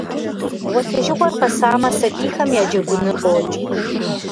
Гъуэлъыжыгъуэр къэсамэ, сабийхэм я джэгуныр къокӏ.